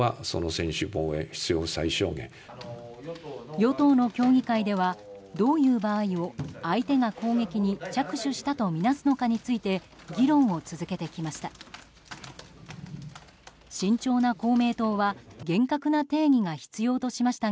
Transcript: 与党の協議会ではどういう場合を相手が攻撃に着手したとみなすのかについて議論を続けてきました。